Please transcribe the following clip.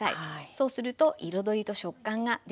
そうすると彩りと食感が出ます。